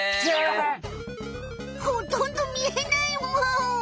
ほとんどみえないむ！